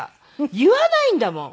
言わないんだもん。